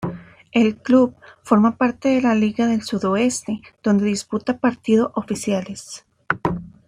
El club forma parte de la Liga del Sudoeste, donde disputa partido oficiales.